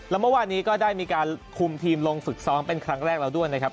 แล้วเมื่อวานนี้ก็ได้มีการคุมทีมลงฝึกซ้อมเป็นครั้งแรกแล้วด้วยนะครับ